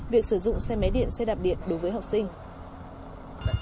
việc sử dụng xe máy điện xe đạp điện đối với học sinh